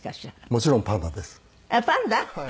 もちろんパンダです。